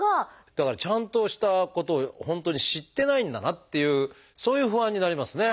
だからちゃんとしたことを本当に知ってないんだなっていうそういう不安になりますね。